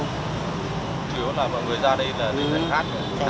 chỉ có là mọi người ra đây là sẽ khát